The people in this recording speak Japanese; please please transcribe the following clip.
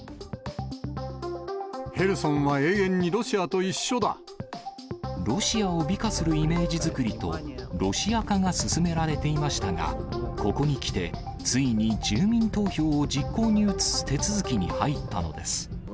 ヘルソンは永遠にロシアと一ロシアを美化するイメージ作りと、ロシア化が進められていましたが、ここにきて、ついに住民投票を実行に移す手続きに入ったのです。